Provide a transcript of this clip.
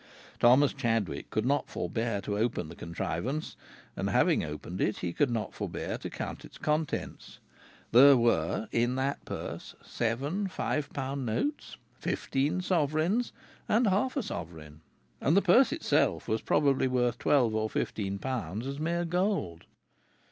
Thomas Chadwick could not forbear to open the contrivance, and having opened it he could not forbear to count its contents. There were, in that purse, seven five pound notes, fifteen sovereigns, and half a sovereign, and the purse itself was probably worth twelve or fifteen pounds as mere gold.